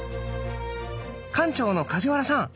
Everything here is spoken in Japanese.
館長の梶原さん！